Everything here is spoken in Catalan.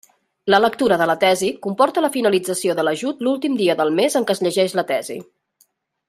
La lectura de la tesi comporta la finalització de l'ajut l'últim dia del mes en què es llegeix la tesi.